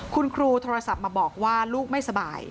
คุณครูโทรศัพท์มาบอกว่าลูกไม่สบาย